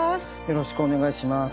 よろしくお願いします。